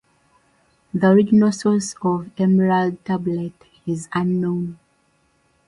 The original source of the "Emerald Tablet" is unknown.